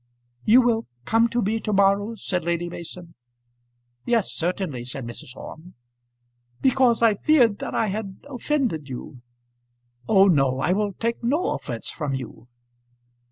"You will come to me to morrow," said Lady Mason. "Yes, certainly," said Mrs. Orme. "Because I feared that I had offended you." "Oh, no; I will take no offence from you."